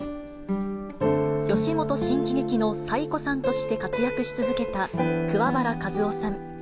吉本新喜劇の最古参として活躍し続けた桑原和男さん。